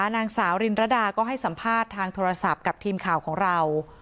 นางสาวรินรดาก็ให้สัมภาษณ์ทางโทรศัพท์กับทีมข่าวของเรา